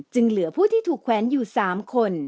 เหลือผู้ที่ถูกแขวนอยู่๓คน